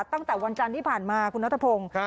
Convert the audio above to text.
ตั้งแต่วันจันทร์ที่ผ่านมาคุณนัทพงศ์